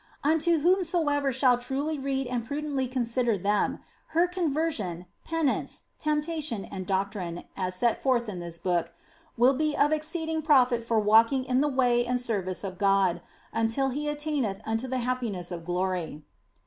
Unto whomsoever shall truly read and prudently consider them, her conversion, penitence, temptation, and doctrine (as set forth in this book), will be of exceeding profit for walking in the way and service of God, until he attaineth unto the happiness of glory.